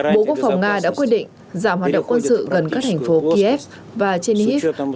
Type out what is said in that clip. bố quốc phòng nga đã quyết định giảm hoạt động quân sự gần các hành phố kiev và chernivsk